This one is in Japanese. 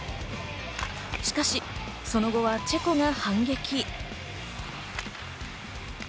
しかしその後はチェコが反撃。